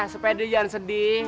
supaya dia jangan sedih